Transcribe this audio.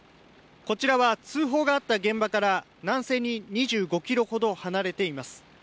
こちらは通報があった現場から南西に２５キロほど離れています。